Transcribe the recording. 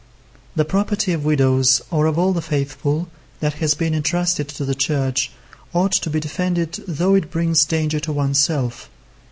The property of widows or of all the faithful, that has been entrusted to the Church, ought to be defended though it brings danger to oneself.